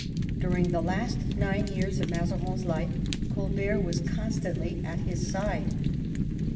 During the last nine years of Mazarin's life Colbert was constantly by his side.